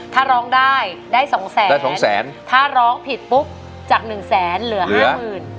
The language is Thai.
ถ้าร้องได้ได้สองแสนได้สองแสนถ้าร้องผิดปุ๊บจากหนึ่งแสนเหลือห้าหมื่น